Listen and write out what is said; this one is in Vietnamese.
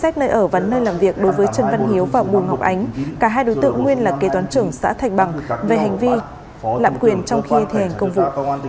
tại ở văn nơi làm việc đối với trần văn hiếu và bùi ngọc ánh cả hai đối tượng nguyên là kê toán trưởng xã thạch bằng về hành vi lạm quyền trong khi thi hành công vụ